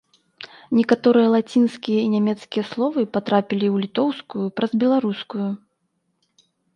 Некаторыя лацінскія і нямецкія словы патрапілі ў літоўскую праз беларускую.